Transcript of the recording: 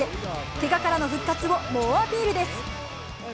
けがからの復活を猛アピールです。